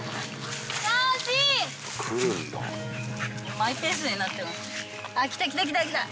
マイペースになってますね。